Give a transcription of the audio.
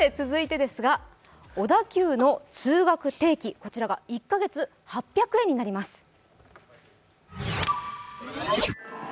続いてですが、小田急の通学定期、こちらが１カ月８００円になります。